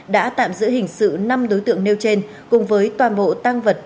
đã tạm giữ hình sự năm đối tượng nêu trên cùng với toàn bộ tăng vật